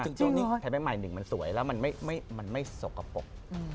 ใช้แบงก์หนึ่งมันสวยและมันไม่มันไม่มันไม่สกปก